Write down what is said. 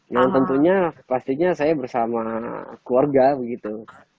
nah tentunya pastinya saya bersama keluarga begitu